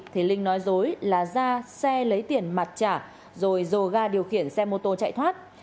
thì linh nói dối là ra xe lấy tiền mặt trả rồi dồ ga điều khiển xe mô tô chạy thoát